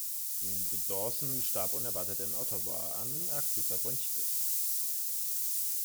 Dawson starb unerwartet in Ottawa an akuter Bronchitis.